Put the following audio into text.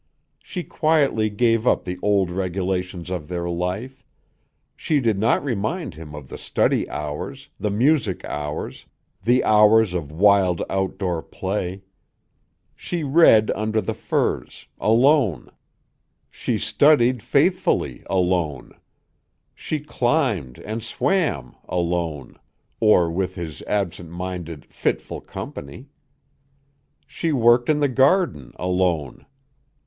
She quietly gave up the old regulations of their life; she did not remind him of the study hours, the music hours, the hours of wild outdoor play. She read under the firs, alone; she studied faithfully, alone; she climbed and swam, alone or with his absent minded, fitful company; she worked in her garden, alone.